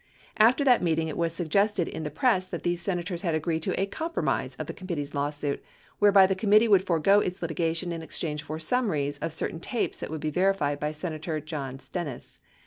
After that meeting, it was suggested in the press that these Senators had agreed to a "compromise" of the committee's lawsuit whereby the committee would forego its litigation in exchange for "summaries": of certain tapes that would be verified by Senator John Stennis.